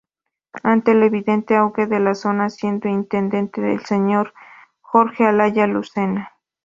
Ante el evidente auge de la zona siendo intendente el señor Jorge Olaya Lucena.